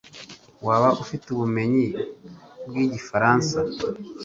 Waba ufite ubumenyi bwigifaransa?